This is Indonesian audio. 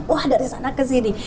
wah dari sana ke sini